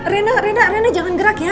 rina rina rina jangan gerak ya